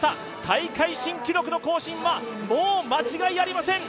大会新記録の更新は、もう間違いありません。